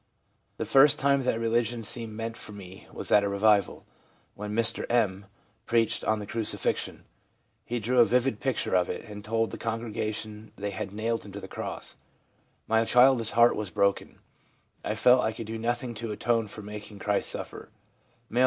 The first time that religion seemed meant for me was at a revival, when Mr M preached on the crucifixion. He drew a vivid picture of it, and told the congregation they had nailed Him to the cross. My childish heart was broken ; I felt I could do nothing to atone for making Christ suffer/ M., 11.